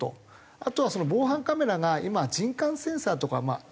あとは防犯カメラが今人感センサーとか音